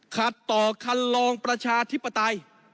ขัดต่อคันลองประชาธิปไตย